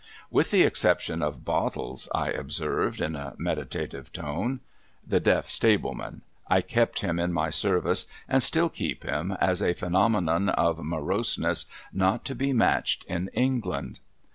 ' With the exception of Bottles,' I observed, in a meditative tone. (The deaf stable man. I kept him in my service, and still keep him, as a phenomenon of moroseness not to be matched in England.)